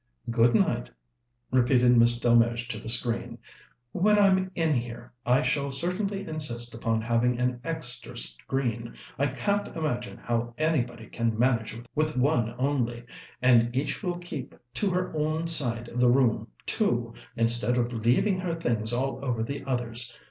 "Good night," repeated Miss Delmege to the screen. "When I'm in here, I shall certainly insist upon having an extra screen. I can't imagine how anybody can manage with one only. And each will keep to her own side of the room, too, instead of leaving her things all over the other's.